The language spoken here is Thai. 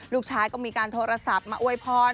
ลูกชายก็มีการโทรศัพท์มาอวยพร